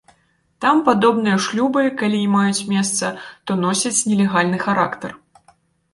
Там падобныя шлюбы, калі і маюць месца, то носяць нелегальны характар.